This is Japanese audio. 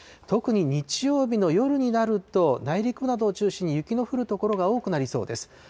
特に日曜日の夜になると、内陸部などを中心に雪の降る所が多くなりそうです。